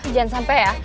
jangan sampai ya